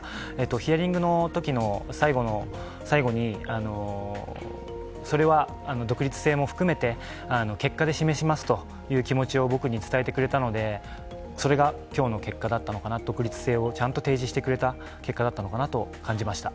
ヒアリングのときの最後に、それは独立性も含めて結果で示しますという気持ちを僕に伝えてくれたのでそれが今日の独立性をちゃんと示してくれた結果だったのかなと思いました。